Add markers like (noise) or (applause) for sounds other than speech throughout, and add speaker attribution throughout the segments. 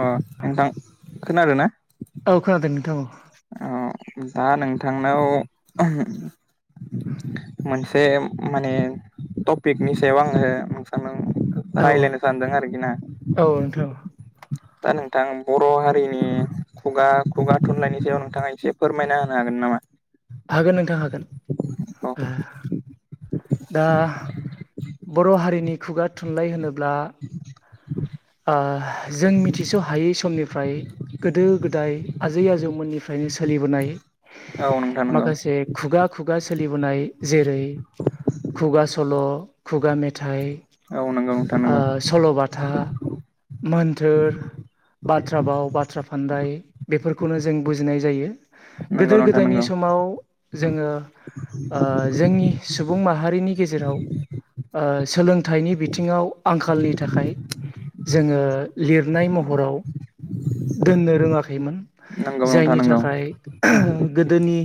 Speaker 1: अ नोंथां खोनादों ना?
Speaker 2: औ खोनादों नोंथां औ
Speaker 1: औ दा नोंथांनाव (unintelligible) मोनसे माने टपिकनि सायाव आङो (unintelligible)
Speaker 2: औ
Speaker 1: रालायनो सानदों आरोखि ना
Speaker 2: औ नोंथां औ
Speaker 1: दा नोंथां बर' हारिनि खुगा खुगा थुनलाइनि सायाव नोंथाङा एसे फोरमायना होनो हागोन नामा
Speaker 2: हागोन नोंथां हागोन
Speaker 1: औ
Speaker 2: आह दा बर' हारिनि खुगा थुनलाइ होनोब्ला ओह जों मिथिस' हायै समनि फ्राय गोदो गोदाय आजै आजौमोननिफ्रायनो सोलिबोनाय
Speaker 1: नोंथां नंगौ
Speaker 2: माखासे खुगा खुगा सो सोलिबोनाय जेरै खुगा सल' खुगा मेथाइ
Speaker 1: औ नंगौ (unintelligible)
Speaker 2: ओ सल'बाथा मोन्थोर बाथ्रा भाव बाथ्रा फान्दाय बेफोरखौनो जों बुज जिनाय जायो गोदो गोदायनि
Speaker 1: नंगौ
Speaker 2: समाव जोङो ओ जोंनि सुबुं माहारिनि गेजेराव ओ सोलोंथाइनि बि (unintelligible) (unintelligible) आंखालनि थाखाय जोङो लिरनाय महराव
Speaker 1: (inaudible)
Speaker 2: दोननो रोङाखैमोन
Speaker 1: नंगौ नोंथां
Speaker 2: जायनि
Speaker 1: नंगौ
Speaker 2: थाखाय (unintelligible) गोदोनि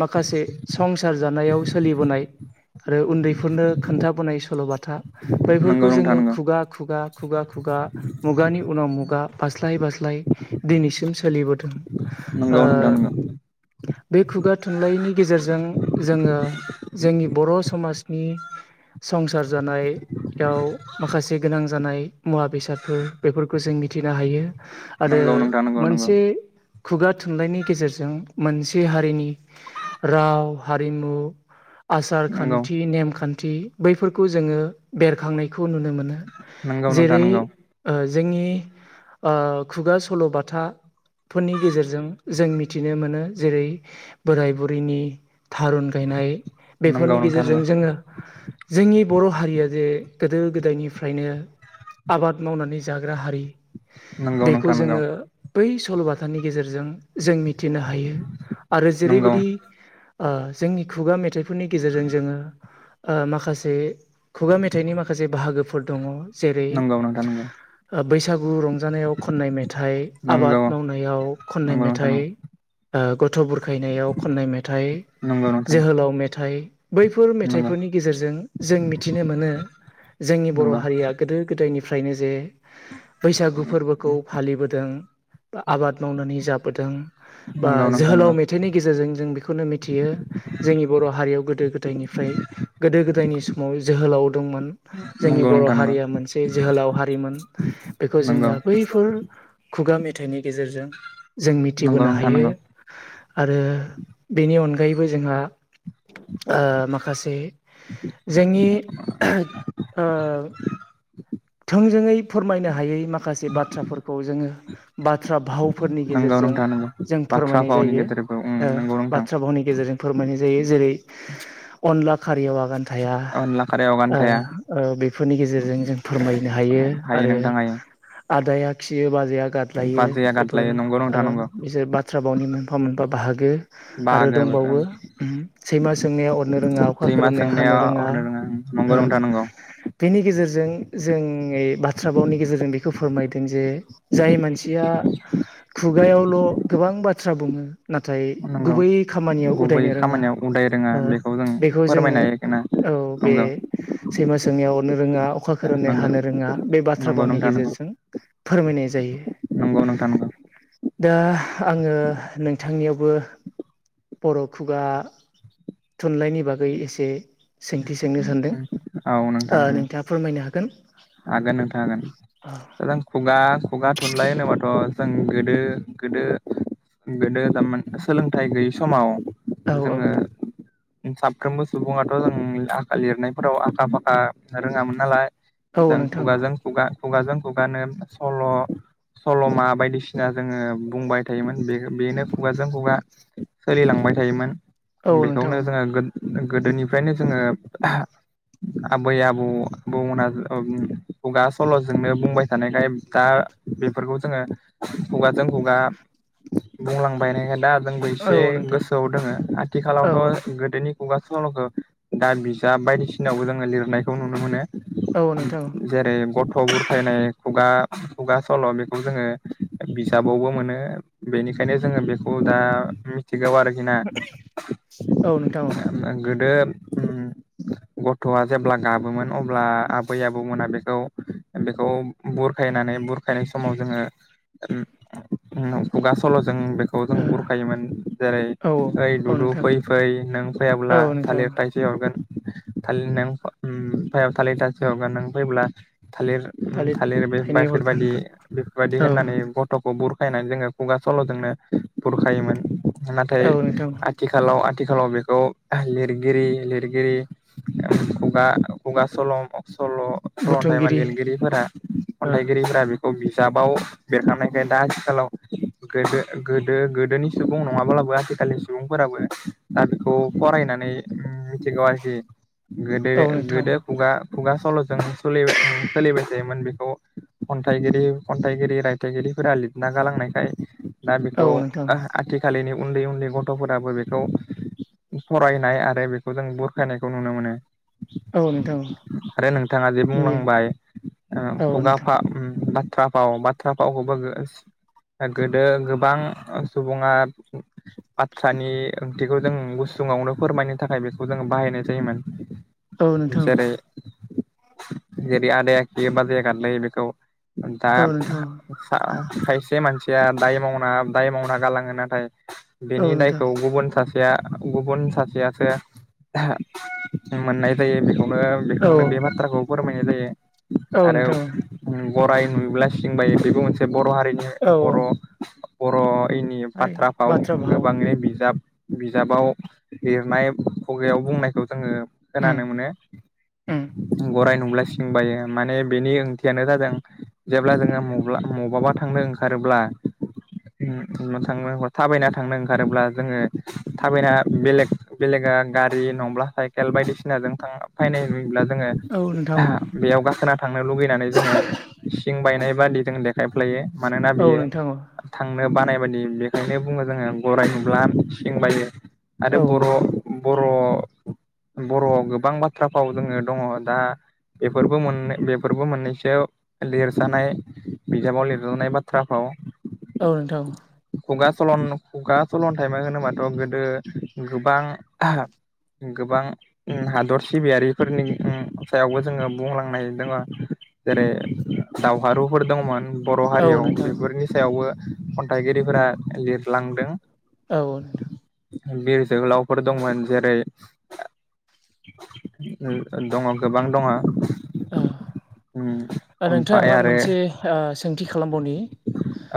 Speaker 2: माखासे (unintelligible) संसार जानायाव सोलिबोनाय आरो उन्दैफोरनो खोन्थाबोनाय सल'बाथा
Speaker 1: नंगौ
Speaker 2: बेफोरखौ
Speaker 1: नोंथां नंगौ
Speaker 2: जोङो खुगा खुगा खुगा खुगा मुगानि उनाव मुगा बास्लाय बास्लय दिनैसिम सोलिबोदों ओ बे खुगा थुनलाइनि गेजेरजों जोङो जोंनि बर' समाज नि संसार जानायाव माखासे गोनां जानाय मुवा बेसादफोर बेफोरखौ जों मिथिनो हायो आरो
Speaker 1: नंगौ नोंथां नंगौ
Speaker 2: मोनसे खुगा थुनलाइनि गेजेरजों मोनसे हारिनि राव हारिमु आसार
Speaker 1: नंगौ
Speaker 2: खान्थि नेमखान्थि बैफोरखौ जोङो बेरखांनायख (unintelligible) खौ नुनो मोन
Speaker 1: नोंथां
Speaker 2: जेरै
Speaker 1: नंगौ
Speaker 2: ओ ज जोंनि ओ खुगा सल'बाथा फोरनि गेजेरजों जों मिथिनो मोनो जेरै बोराय बुरैनि थारुन गायनाय
Speaker 1: नंगौ
Speaker 2: बेफोरनि
Speaker 1: नोंथां नंगौ नोंथां
Speaker 2: गेजेरजों
Speaker 1: नंगौ
Speaker 2: जोङो जोंनि बर' हारिया जे गोदो गोदायनिफ्रायनो आबाद मावनानै जाग्रा हारि
Speaker 1: नंगौ
Speaker 2: बेखौ
Speaker 1: नोंथां नंगौ नोंथां नंगौ
Speaker 2: जोङो बै सल'बाथानि गेजेरजों जों मिथिनो हायो आरो जेरैबायदि ओ जोंनि खुगा मेथाइफोरनि गेजेरजों जोङो ओ माखासे खुगा मेथाइनि माखासे बाहागोफोर दङ जेरै
Speaker 1: नंगौ नोंथां नंगौ
Speaker 2: ओ बैसागु रंजानायाव खननाय मेथाइ
Speaker 1: नंगौ
Speaker 2: आबाद मावनायाव खननाय
Speaker 1: नंगौ नोंथां
Speaker 2: मेथाइ ओ गथ' बुरखायनायाव खननाय मेथाइ
Speaker 1: नंगौ नोंथां
Speaker 2: जोहोलाव मेथाइ बैफोर
Speaker 1: नंगौ
Speaker 2: मेथाइफोरनि गेजेरजों जों मिथिनो मोनो जोंनि बर'
Speaker 1: नंगौ
Speaker 2: हारिया गोदो गोदाय जायनिफ्रायनो जे बैसागु फोरबोखौ फालिबोदों बा आबाद मावनानै जाबोदों बा
Speaker 1: नंगौ नोंथां
Speaker 2: जोहोलाव
Speaker 1: नंगौ
Speaker 2: मेथाइनि गेजेरजों जों बेखौनो मिथियो जोंनि बर' हारियाव गोदो गोदायनिफ्रा फ्राय गोदो गोदायनि सम सम जोहोलाव दंमोन जोंनि
Speaker 1: नंगौ
Speaker 2: बर'
Speaker 1: नोंथां नंगौ
Speaker 2: हारिया मोनसे जोहोलाव हारिमोन बेखौ
Speaker 1: नंगौ
Speaker 2: जोङो बैफोर खुगा मे मेथायनि गेजेरजों जों
Speaker 1: नंगौ
Speaker 2: मिथिबोनो
Speaker 1: नोंथां
Speaker 2: हायो
Speaker 1: नंगौ
Speaker 2: आरो बेनि अनगा अनगायबो जोंहा ओ माखासे जोंनि ओ थोंजोङै फोरमायनो हायै माखासे बाथ्राफोरखौ जोङो बाथ्रा भाव फोरनि
Speaker 1: नंगौ
Speaker 2: गेजेरजों
Speaker 1: नोंथां नंगौ
Speaker 2: जों
Speaker 1: बाथ्रा
Speaker 2: फोरमायनाय
Speaker 1: फावनि
Speaker 2: जायो
Speaker 1: गेजेरबो उम
Speaker 2: ओ
Speaker 1: नंगौ नोंथां
Speaker 2: बाथ्रा भावनि गेजेरजों फोरमायनाय जायो जेरै अनला खारैयाव आगान थाया थाया
Speaker 1: अनला खारयाव गान थाया
Speaker 2: ओ ओ बेफोरनि गेजेरजों जों खायनो हायो आरो
Speaker 1: नोंथां हायो
Speaker 2: आदाया खियोबा बाजै जैया गलायो
Speaker 1: बाजैया
Speaker 2: बेफोर
Speaker 1: गादलायो नंगौ नोंथां नंगौ
Speaker 2: बिसोर बाथ्रा बावनि मोनफा मोनफा बाहागो आरो
Speaker 1: बाहागो
Speaker 2: दंबावो उम सैमा सोंनाया अरनो रोङा अखा
Speaker 1: सैमा
Speaker 2: खोरोमनाया
Speaker 1: सोंनाया
Speaker 2: हानो रोङा
Speaker 1: अरनो नंगौ
Speaker 2: ओ
Speaker 1: नोंथां नंगौ
Speaker 2: बेनि गेजेरजों जों बाथ्रा बावनि गेजेरजों बेखौ फोरमायदों जे जाय मानसिया खु खुगायावल' गोबां बाथ्रा बुङो नाथाय
Speaker 1: नंगौ
Speaker 2: गुबै खामानियाव
Speaker 1: गुबै
Speaker 2: उदायनो रोङा
Speaker 1: खामानियाव उदाय रोङा
Speaker 2: ओ
Speaker 1: बेखौ जों
Speaker 2: बेखौ
Speaker 1: फोरमायनो
Speaker 2: जोङो
Speaker 1: हायो आरोना
Speaker 2: औ बे
Speaker 1: नंगौ
Speaker 2: सैमा सैनायाव अरनो रोङा अखा खो खोरोमनाया
Speaker 1: नंगौ
Speaker 2: हानोरोंहानो रोङा बे बाथ्रा
Speaker 1: नंगौ
Speaker 2: भावनि
Speaker 1: नोंथां नंगौ
Speaker 2: गेजेरजों फोरमायनाय जायो।
Speaker 1: नंगौ नोंथां नंगौ
Speaker 2: दा आङो नोंथांनियावबो बर' खुगा थुनलाइनि बागै एसे सोंथि सोंनो सानदों
Speaker 1: औ
Speaker 2: ओ
Speaker 1: नोंथां
Speaker 2: नोंथाङा फोरमायनो हागोन
Speaker 1: हागोन नोंथां हागोन दां खुगा खुगा थुनलाय होनोबाथ' जों गोदो गोदो गोदोरमान सोलोंथाइ गैयि समाव
Speaker 2: औ
Speaker 1: जोङो साफ्रोमबो सुबुङाथ' जों आखा लिरनायफोराव आखा फाखा रोङामोन नालाय
Speaker 2: औ
Speaker 1: जों
Speaker 2: नोंथां
Speaker 1: खुगाजों खुगा खुगाजों खुगानो सल' सल'मा बायदिसिना जोङो बुंबाय थायोमोन बे बेनो खुगाजों खुगा सोलिलां लांबाय थायोमोन
Speaker 2: औ नोंथां
Speaker 1: बेखौनो
Speaker 2: औ
Speaker 1: जोङो गोदोनिफ्रायनो जोङो आबै आबौ आबौमोनहा खुगा सल'जोंनो बुंबाय थानायखाय दा बेफोरखौ जोङो खुगाजों खुगा बुंलांबायनायखाय दा जोंबो
Speaker 2: औ
Speaker 1: एसे
Speaker 2: नोंथां
Speaker 1: गोसोआव दोङो
Speaker 2: औ
Speaker 1: आथिखालावथ'
Speaker 2: औ
Speaker 1: गोदोनि खुगा सलखो दा बिजाब बायदिसिनायावबो जोङो लिरनायखौ नुनो मोनो।
Speaker 2: औ नोंथां
Speaker 1: जेरै गथ' बुरखायनाय खुगा खुगा सल' बेखौ जोङो बिजाबावबो मोनो बेनिखायनो जोङो बेखौ दा मिथि थिगाव आरोखि ना
Speaker 2: औ नोंथां
Speaker 1: गोदो गथ'आ जेब्ला गाबोमोन अब्ला बै आबौ मोना बेखौ बेखौ बुरखायनानै बुरखायनाय समाव जोङो उम खुगा सल'जों बेखौ जों
Speaker 2: औ
Speaker 1: बुरखायोमोन जेरै
Speaker 2: औ
Speaker 1: ओइ
Speaker 2: औ
Speaker 1: दुदु
Speaker 2: नोंथां
Speaker 1: फै फै नों
Speaker 2: औ
Speaker 1: फैयाब्ला
Speaker 2: नोंथां
Speaker 1: थालिर थाइसे हरगोन थालिर नों उम थालिर दांसे हरगोन नों फैयोबोला थालिर उम थालिर बे
Speaker 2: थाइनै हरगोन
Speaker 1: बेफोरबायदि बेफोरबायदि
Speaker 2: औ
Speaker 1: होननानै गथ'खौ बुर खायनानै जोङो खुगा सल'जोंनो बुरखायोमोन। नाथाय
Speaker 2: औ नोंथां
Speaker 1: आथिखालाव आ थिखालाव बेखौ लिरगिरि लिरगिरि खुगा खुगा सल' सल' सल'न्थाइमा
Speaker 2: बुथुमगिरि
Speaker 1: लिरगिरिफोरा
Speaker 2: औ
Speaker 1: खन्थाइगिरिफोरा बेखौ बिजाबाव लिरखानायखाय दा आथिखालाव गोदो गोदो गोदोनि सुबुं नङाब्लाबो आथिखालनि सुबुंफोराबो दा बेखौ फरायना नै उम मिथिगौ आरोखि। गोदो
Speaker 2: नोंथां
Speaker 1: गोदो खुगा खुगा सल'जों सोलिबाय ओंम सोलिबाय था योमोन। बिख' खन्थाइगिरि खन्थाइगिरि रायथाइगिरिफोरा लितना गालांनायखाय दा बेखौ
Speaker 2: औ नोंथां
Speaker 1: आह आथिखालिनि उन्दै उन्दै गथ'फोराबो बेखौ फरायनाय आरो बेखौ जों बुरखायनायखौ नुनो मोनो।
Speaker 2: औ नो
Speaker 1: आरो नोंथाङा बे बुंलांबाय ओ
Speaker 2: औ नोंथां
Speaker 1: खुगाफा उम बा थ्रा फाव बाथ्रा फावखौबो गोस गोदो गोबां सुबुङा बाथ्रानि ओंथिखौ जों गुस सुङावनो फोरमायनो थाखाय बेखौ जोङो बाहायनाय जायोमोन।
Speaker 2: औ नोंथां
Speaker 1: जेरै जेरै आदाया खियो बाजैया गादलायो बेखौ दा
Speaker 2: औ नोंथां
Speaker 1: खा-खायसे मानसिया दाय मावना दाय मावना गालाङो। नाथाय
Speaker 2: औ
Speaker 1: बेनि
Speaker 2: नोंथां
Speaker 1: दायखौ गुबुन सा सेया गुबुन सासेयासो (unintelligible) मोननाय जायो बेखौनो
Speaker 2: औ
Speaker 1: बे बाथ्राखौ फोरमायनाय जायो
Speaker 2: औ
Speaker 1: आरो
Speaker 2: नोंथां
Speaker 1: उम गराइ नुयोब्ला सिं बायो बेबो मोनसे बर' हारिनि
Speaker 2: औ
Speaker 1: बर' बर' हारिनि
Speaker 2: ओइ
Speaker 1: बाथ्राफ्राव
Speaker 2: बाथ्रा भाव
Speaker 1: गोबाङै बिजाब बिजाबाव लिरनाय खुगायाव बुंनायखौ जोङो
Speaker 2: उम
Speaker 1: खोनानो मोनो।
Speaker 2: उम।
Speaker 1: गराइ नुब्ला सिं बायो माने बेनि ओंथियानो जादों जेब्ला जोङो मब्ला मबबा थांनो ओंखारोब्ला नो नो थांनो थाबायना थांनो ओंखारोब्ला जोङो थाबायना बेलेग बेलेग गारि नंब्ला साइकेल बायदिसिनाजों थां फायनाय नुयोब्ला जोङो
Speaker 2: औ नोंथां
Speaker 1: बेयाव गाखोना थांनो लुगैनानै जोङो सिं बायनाय बादिजों देखायफ्लायो मानोना
Speaker 2: औ
Speaker 1: बियो
Speaker 2: नोंथां
Speaker 1: थांनो बानाय बायदि बेखायनो बुङो जोङो गराइ नुब्ला सिं बायो आरो
Speaker 2: औ
Speaker 1: बर'
Speaker 2: नोंथां
Speaker 1: ब र' बर'आव गोबां बाथ्रा फाव जोङो दङ' दा बेफोरबो मोनै बेफोरबो मोननैसो लिरजानाय बिजाबाव लिरजानाय बाथ्राफ्राव।
Speaker 2: औ नोंथां औ।
Speaker 1: खुगा सलन खुगा सल'न्थाइमा होनोबाथ' गोदो गोबां (unintelligible) गोबां उम हादरस सिबियारिफोरनि उम सायावबो जोङो बुंलांनाय दङो जेरै दावहारुफोर दंमोन बर'
Speaker 2: औ
Speaker 1: हारियाव
Speaker 2: नोंथां
Speaker 1: बेफोरनि सायावबो खन्थाइगिरिफोरा लिरलांदों।
Speaker 2: औ नोंथां।
Speaker 1: बिर जोहोलावफोर दंमोन जेरै उम दङ' गोबां दङ'।
Speaker 2: ओ
Speaker 1: उम
Speaker 2: ओरैनोथ'
Speaker 1: ओमफ्राय
Speaker 2: नोंथां
Speaker 1: आरो
Speaker 2: मोनसे ओ सोंथि खालामबावनि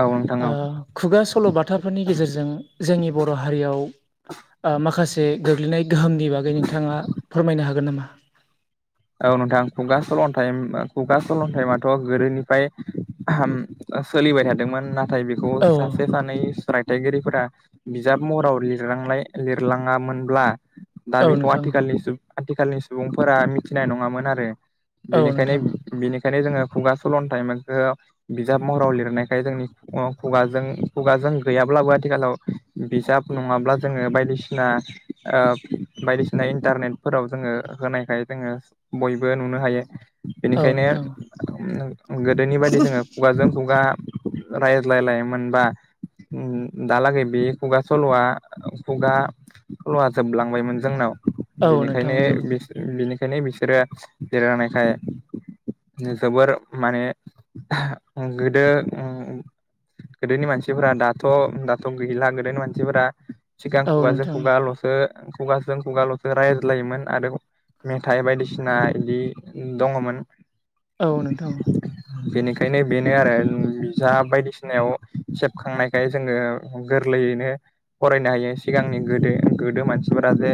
Speaker 1: औ नोंथां औ
Speaker 2: ओ खुगा सल'बाथाफोरनि गेजेरजों जोंनि बर' हारियाव आ माखासे गोग्लैनाय गोहोमनि बागै नोंथाङा फोरमायनो हागोन नामा?
Speaker 1: औ नोंथां खुगा सलन्थाइ होमबा खुगा सल'न्थाइमाथ' गोदोनिफ्राय (unintelligible) ओ सोलिबाय थादोंमोन नाथाय बेखौ
Speaker 2: औ
Speaker 1: सासे सानै राय थाइगिरिफोरा बिजाब महराव लिरलांनाय लिरलाङामोनब्ला दा
Speaker 2: औ
Speaker 1: बेखौ
Speaker 2: नोंथां
Speaker 1: आथिखालनि सुबुं आथिखालनि सुबुंफोरा मिथिनाय नङामोन आरो
Speaker 2: औ
Speaker 1: बेनिखायनो
Speaker 2: नोंथां
Speaker 1: बिनि बेनिखायनो जोङो खुगा सल'न्थाइमोनखोआव बिजाब महराव लिरनायखाय जोंनि खुगाजों -खुगाजों गैयाब्लाबो आथिखालाव बिजाब नङाब्ला जोङो बायदिसिना ओ बायदि सिना इन्टारनेटफोराव जोङो होनायखाय जोङो बयबो नुनो हायो।
Speaker 2: औ
Speaker 1: बेनिखायनो
Speaker 2: नोंथां
Speaker 1: गोदोनि बायदि जोङो खुगाजों खुगा रायज्लायला मोनबा दा लागै बि खुगा सलवा खुगा सल'आ जोबलांबायमोन जोंनाव
Speaker 2: औ नोंथां
Speaker 1: बिनिखायनोनि
Speaker 2: जोबोद
Speaker 1: बिसोर बिनो बेखायनो बिसोरो जिरानायखाय जोबोर माने गोदो ओम गोदोनि मानसिफोरा दाथ' -दाथ' गैला गोदोनि मानसिफोरा सिगां
Speaker 2: औ
Speaker 1: खुगाजों
Speaker 2: नोंथां
Speaker 1: खुगाल'सो- खुगाजों खुगाल'सो रायज्लायोमोन आरो मेथाइ बायदिसिना इदि दङमोन।
Speaker 2: औ नोंथां।
Speaker 1: बेनिखायनो बेनो आरो जा बायदिसिनायाव सेबखांनायखाय जोङो गोर लैनो फरायनो हायो सिगांनि गोदो- गोदो मानसिफोरा जे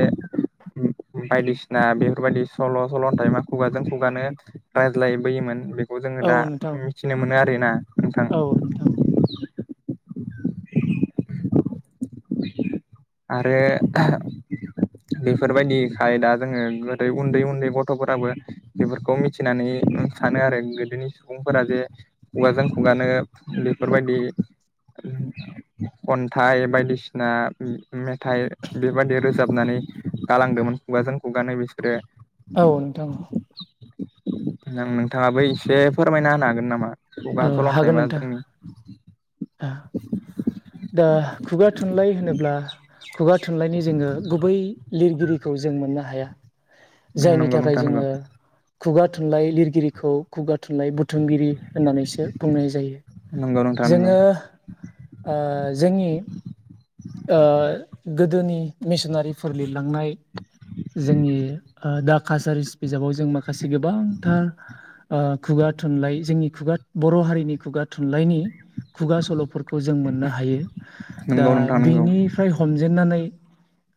Speaker 1: बायदिसिना बे बेफोरबायदि सल' सल'न्थाइमा खुगाजों खुगानो रायज्लायबोयोमोन बे खौ जोङो
Speaker 2: औ
Speaker 1: दा
Speaker 2: नोंथां
Speaker 1: मिथिनो मोनो आरो ना
Speaker 2: औ नोंथां।
Speaker 1: (inaudible) आरो बेफोरबायदिखाय दा जोङो। उन्दै उन्दै गथ'फोराबो बेफोरखौ मिथिनानै ओ सानो आरो गोदोनि सुबुंफोरा जे खुगाजों खुगानो बेफोरबायदि खन्थाइ बायदिसिना मेथाइ बेबायदि रोजाबनानै गालांदोंमोन खुगाजों खुगानो बिसोर
Speaker 2: औ नोंथां।
Speaker 1: नों नोंथाङाबो एसे फोरमायना होनो हागोन नामा? खुगा
Speaker 2: औ
Speaker 1: सल'नथाय
Speaker 2: हागोन
Speaker 1: मा
Speaker 2: नोंथां
Speaker 1: जोंनि
Speaker 2: दा खुगा थुनलाइ होनोब्ला खुगा थुनलाइनि जोङो गुबै लिर गिरिखौ जों मोननो हाया। जायनि
Speaker 1: नंगौ
Speaker 2: थाखाय
Speaker 1: नोंथां नंगौ
Speaker 2: जोङो खुगा थुनलाइ लिरगिरिखौ खुगा थुनलाइ बुध थुमगिरि होननानैसो बुंनाय जायो।
Speaker 1: नंगौ नोंथां नंगौ
Speaker 2: जोङो ओ जोंनि ओ गोदोनि मेसिनारिफोर लिरलांनाय जोंनि दा कासारिश बिजाबाव जों माखासे गोबांथार ओ खुगा थुनलाइ जोंनि खुगा बर' हारिनि खुगा थुनलाइनि खुगा सल'फोर खौ जों मोननो हायो। दा
Speaker 1: नंगौ नोंथां नंगौ
Speaker 2: बेनिफ्राय हमजेननानै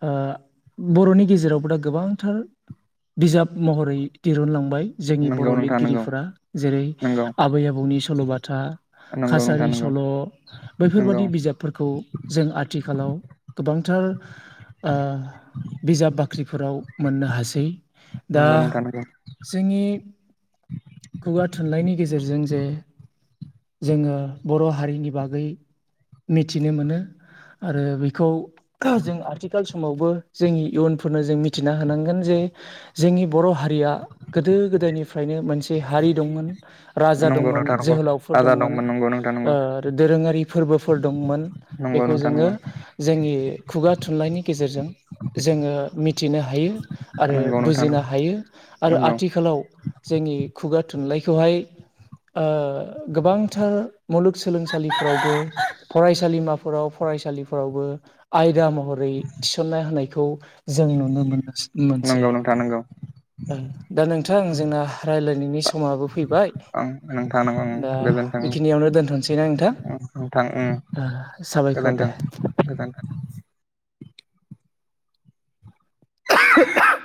Speaker 2: ओ बर'नि गेजेरावबो दा गोबांथार बिजाब महरै दिरुनलांबाय जोंनि बर'
Speaker 1: नंगौ नोंथां नंगौ
Speaker 2: लिरगिरिफोरा जेरै
Speaker 1: नंगौ
Speaker 2: आबै, आबौनि सल'बाथा
Speaker 1: नंगौ नोंथां
Speaker 2: कासारि
Speaker 1: नंगौ
Speaker 2: सल'
Speaker 1: नंगौ
Speaker 2: बैफोरबादि बिजाबफोरखौ जों आथि थिखालाव गोबांथार ओ बिजाब बाख्रिफोराव मोननो हासै दा
Speaker 1: नंगौ नोंथां नंगौ
Speaker 2: जोंनि खुगा थुनलाइनि गेजेरजों जे जोङो बर' हारिनि बागै मिथिनो मोनो आरो बेखौ जों आथिखाल समावबो जोंनि इयुनफोरनो जों मिथिना होनांगोन। जे जोंनि बर' हारिआ गोदो गोदायनिफ्रायनो मोन से हारि दंमोन। राजा
Speaker 1: नंगौ
Speaker 2: दंमोन
Speaker 1: नोंथां नंगौ
Speaker 2: जोहोलावफोर
Speaker 1: राजा
Speaker 2: दंमोन
Speaker 1: नंगौ नोंथां
Speaker 2: ओ
Speaker 1: नंगौ
Speaker 2: दोरोङारि फोरबोफोर दंमोन
Speaker 1: नंगौ
Speaker 2: बेखौ
Speaker 1: नोंथां
Speaker 2: जोङो
Speaker 1: नंगौ।
Speaker 2: जोंनि खुगा थुनलाइनि गेजेरजों जोङो मिथिनो हायो आरो
Speaker 1: नंगौ नोंथां
Speaker 2: बुजिनो
Speaker 1: नंगौ
Speaker 2: हायो आरो
Speaker 1: नंगौ
Speaker 2: आथिखालाव जोंनि खुगा थुनलाइखौहाय ओ गोबांथार मुलुगसोलोंसालिफोरावबो, फरायसालिमाफोराव, फरायसालि फोरावबो आयदा महरै थिसनना होनायखौ जों नुनो मोन-मोनसै।
Speaker 1: नंगौ नोंथां नंगौ
Speaker 2: दा नोंथां जोंना राय्लायनायनि समाबो फैबाय
Speaker 1: ओं नोंथां नंगौ
Speaker 2: दा
Speaker 1: गोजोनथों
Speaker 2: बेखिनियावनो दोनथ'सैना नोंथां? ओ साबायखर दे।
Speaker 1: गोजोनथों (unintelligible)
Speaker 2: (inaudible)